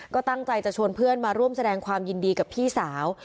ก็ตั้งใจจะชวนเพื่อนมาร่วมแสดงความยินดีกับพี่สาว